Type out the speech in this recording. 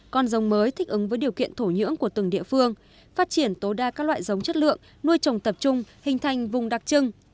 con giống mới thích ứng với điều kiện thổ nhưỡng của từng địa phương phát triển tối đa các loại giống chất lượng nuôi trồng tập trung hình thành vùng đặc trưng